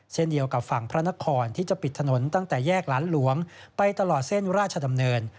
เช่นเดียวกับฝั่งพระนครที่จะปิดถนนตั้งแต่แยกหลานหลวงไปตลอดเส้นราชดำเนิน